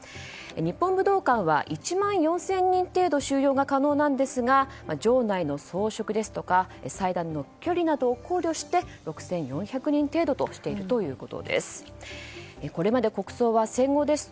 日本武道館は１万４０００人程度収容が可能なんですが場内の装飾ですとか祭壇の距離などを考慮して６４００人程度としているということです。